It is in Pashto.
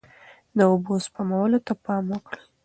د اوبو سپمولو ته پام وکړئ.